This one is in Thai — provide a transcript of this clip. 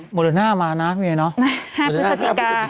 หมดละ๕มานะพี่เนี่ย